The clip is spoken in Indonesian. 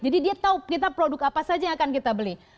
jadi dia tahu produk apa saja yang akan kita beli